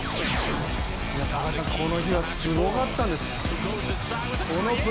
高橋さん、この日はすごかったんです。